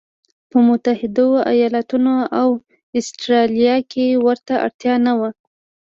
په متحدو ایالتونو او اسټرالیا کې ورته اړتیا نه وه.